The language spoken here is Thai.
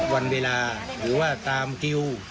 วันเวลาหรือว่าตามคิว